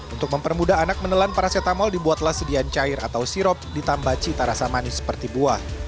untuk mempermudah anak menelan paracetamol dibuatlah sedian cair atau sirop ditambah cita rasa manis seperti buah